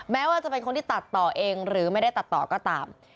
แม้ว่าจะเป็นคนที่ตัดต่อเองหรือไม่ได้ตัดต่อก็ตาม